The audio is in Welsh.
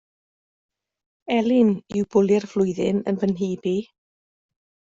Elin yw'r bwli'r flwyddyn yn fy nhyb i